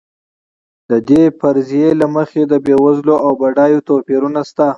د دې فرضیې له مخې د بېوزلو او بډایو توپیرونه شته.